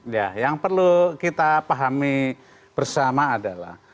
ya yang perlu kita pahami bersama adalah